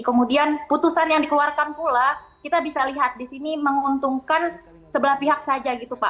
kemudian putusan yang dikeluarkan pula kita bisa lihat di sini menguntungkan sebelah pihak saja gitu pak